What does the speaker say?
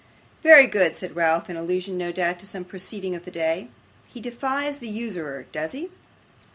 'Very good!' said Ralph, in allusion, no doubt, to some proceeding of the day. 'He defies the usurer, does he?